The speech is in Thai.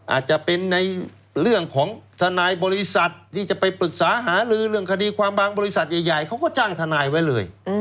อาจจะเป็นในเรื่องของทนายบริษัทที่จะไปปรึกษาหาลือเรื่องคดีความบางบริษัทใหญ่เขาก็จ้างทนายไว้เลย